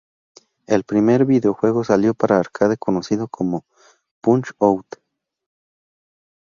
El primer videojuego salió para arcade conocido como "Punch Out!!